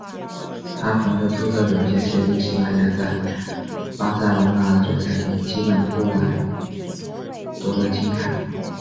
他凭着出色表现协助西班牙在巴塞隆拿的决赛中击败波兰夺得金牌。